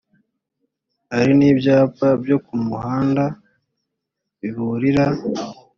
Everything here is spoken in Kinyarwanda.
hari n’ibyapa byo ku muhanda biburira